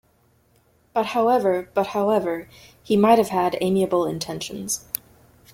But however, but however, he might have had amiable intentions.